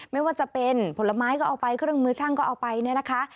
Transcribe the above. ไม่ว่าจะเป็นผลไม้ก็เอาไปเครื่องมือช่างก็เอาไปเนี่ยนะคะ